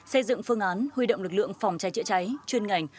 xây dựng phương án huy động lực lượng phòng cháy chữa cháy chuyên ngành